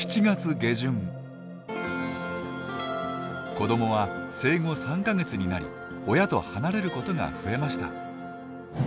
子どもは生後３か月になり親と離れることが増えました。